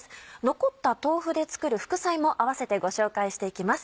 残った豆腐で作る副菜も併せてご紹介していきます。